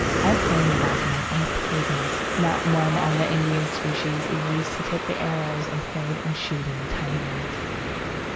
All kinds of aconite are poisonous. That of one of the Indian species is used to tip the arrows employed in shooting tigers.